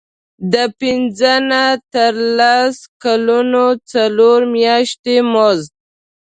د پنځه نه تر لس کلونو څلور میاشتې مزد.